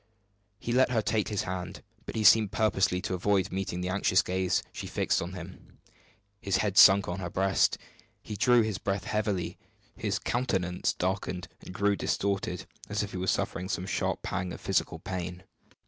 He let her take his hand, but he seemed purposely to avoid meeting the anxious gaze she fixed on him. His head sunk on his breast; he drew his breath heavily, his countenance darkened and grew distorted, as if he were suffering some sharp pang of physical pain.